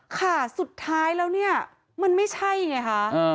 ค่ะสุดท้ายแล้วเนี่ยมันไม่ใช่ไงคะ